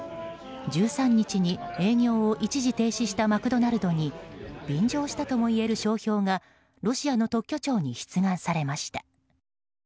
１３日に営業を一時停止したマクドナルドに便乗したともいえる標章がロシアの特許庁に出願されました。